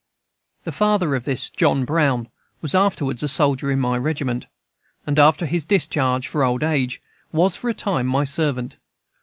The father of this John Brown was afterwards a soldier in my regiment; and, after his discharge for old age, was, for a time, my servant.